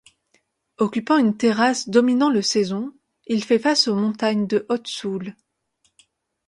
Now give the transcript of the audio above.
Occupant une terrasse dominant le Saison, il fait face aux montagnes de Haute-Soule.